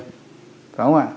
phải không ạ